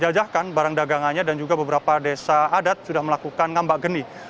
menjajahkan barang dagangannya dan juga beberapa desa adat sudah melakukan ngambak geni